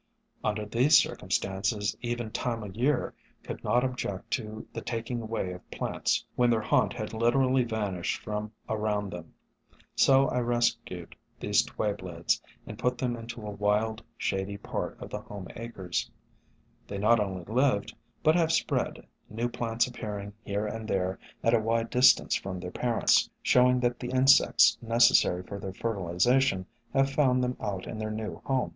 Under these cir cumstances even Time o' Year could not object to the taking away of plants when their haunt had literally vanished from around them, so I rescued these Twayblades and put them into a wild, shady part of the home acres. They not only lived, but have spread, new plants appearing here and there at a wide distance from their parents, showing I4O SOME HUMBLE ORCHIDS that the insects necessary for their fertilization have found them out in their new home.